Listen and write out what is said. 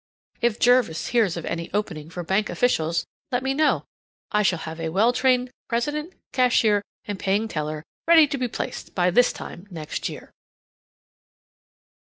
If Jervis hears of any opening for bank officials, let me know; I shall have a well trained president, cashier, and paying teller ready to be placed by this time next year.